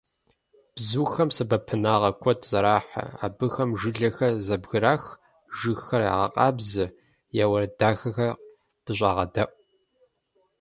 Бзухэм сэбэпынагъ куэд зэрахьэ. Абыхэм жылэхэр зэбгырах, жыгхэр ягъэкъабзэ, я уэрэд дахэхэм дыщӀагъэдэӀу.